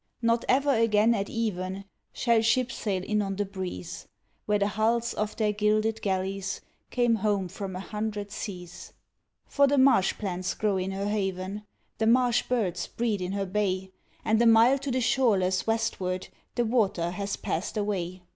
Not ever again at even shall ship sail in on the breeze, Where the hulls of their gilded galleys came home from a hundred seas, For the marsh plants grow in her haven, the marsh birds breed in her bay, And a mile to the shoreless westward the water has passed away.